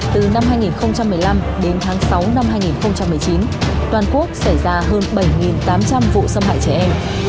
từ năm hai nghìn một mươi năm đến tháng sáu năm hai nghìn một mươi chín toàn quốc xảy ra hơn bảy tám trăm linh vụ xâm hại trẻ em